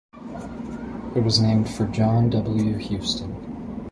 It was named for John W. Houston.